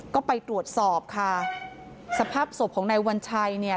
ก็ไปตรวจสอบค่ะสภาพศพของนายวัญชัยเนี่ย